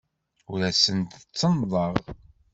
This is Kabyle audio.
Ur asent-d-ttennḍeɣ.